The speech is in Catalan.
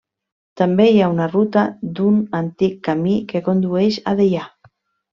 També hi ha una ruta d'un antic camí que condueix a Deià.